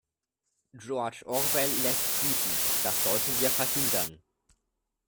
George Orwell lässt grüßen, das sollten wir verhindern.